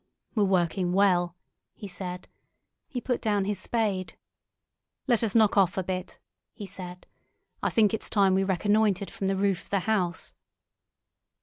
"We're working well," he said. He put down his spade. "Let us knock off a bit" he said. "I think it's time we reconnoitred from the roof of the house."